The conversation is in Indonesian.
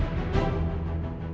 tidak kita harus ke dapur